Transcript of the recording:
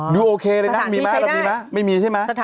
ดูโอเคเลยนั่งมีมั้ยไม่มีใช่มั้ย